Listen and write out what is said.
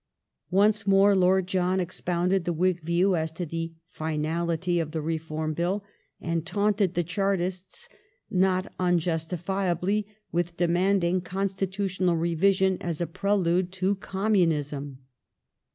Once more Lord John expounded the Whig view as to the " finality" of the Reform Bill, and taunted the Chai'tists, not unjustifiably, with demanding constitutional revision as a prelude to communism.